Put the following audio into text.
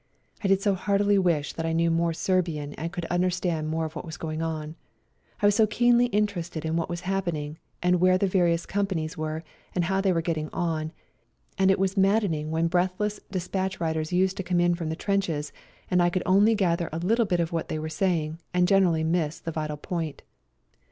I did so heartily wish that I knew more Serbian and could under stand more of what was going on. I was so keenly interested in what was happen ing and where the various companies were and how they were getting on, and it was maddening when breathless de spatch riders used to come in from the 104 GOOD BYE TO SERBIA 105 trenches, and I could only gather a little bit of what they were saying, and generally miss the vital point.